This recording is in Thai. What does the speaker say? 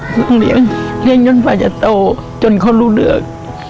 ต้องเลี้ยงจนกว่าจะโตจนเขารู้เรื่อง